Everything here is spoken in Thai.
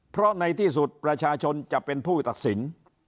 เพราะในที่สุดประชาชนจะเป็นผู้ตัดสิน